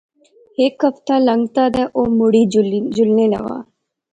ہیک ہفتہ لنگتھا تہ او مڑی جلنے لاغا